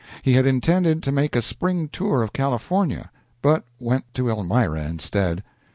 He had intended to make a spring tour of California, but went to Elmira instead.